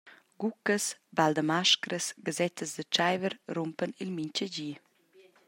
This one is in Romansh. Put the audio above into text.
Guggas, ball da mascras, gasettas da tscheiver rumpan il mintgadi.